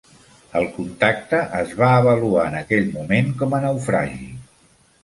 El contacte es va avaluar en aquell moment com a naufragi.